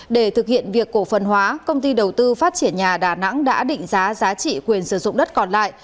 để thực hiện việc cổ phần hóa công ty đầu tư phát triển nhà đà nẵng đã định giá giá trị quyền sử dụng đất còn lại